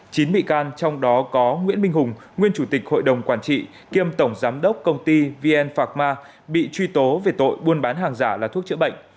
chín bị can trong đó có nguyễn minh hùng nguyên chủ tịch hội đồng quản trị kiêm tổng giám đốc công ty vn phạc ma bị truy tố về tội buôn bán hàng giả là thuốc chữa bệnh